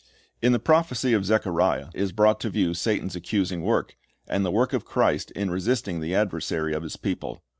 In the prophecy of Zechariah is brought to view Satan's accusing work, and the work of Christ in resisting the adversary of His people.